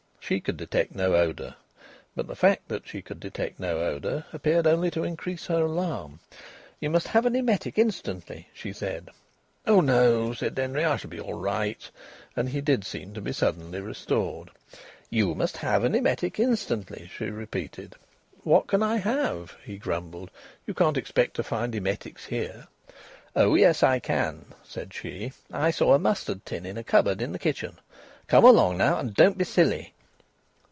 She could detect no odour, but the fact that she could detect no odour appeared only to increase her alarm. "You must have an emetic instantly," she said. "Oh no!" said Denry. "I shall be all right." And he did seem to be suddenly restored. "You must have an emetic instantly," she repeated. "What can I have?" he grumbled. "You can't expect to find emetics here." "Oh yes, I can," said she. "I saw a mustard tin in a cupboard in the kitchen. Come along now, and don't be silly."